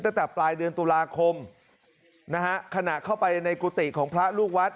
ตั้งแต่ปลายเดือนตุลาคมนะฮะขณะเข้าไปในกุฏิของพระลูกวัด